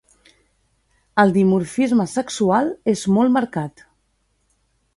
El dimorfisme sexual és molt marcat.